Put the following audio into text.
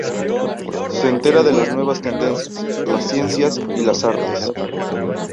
Se entera de las nuevas tendencias, las ciencias y las artes.